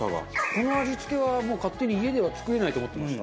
この味付けはもう勝手に家では作れないと思ってました。